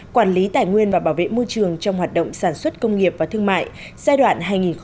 quản lý tài nguyên và bảo vệ môi trường trong hoạt động sản xuất công nghiệp và thương mại giai đoạn hai nghìn một mươi sáu hai nghìn hai mươi